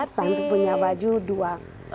tentu punya baju dua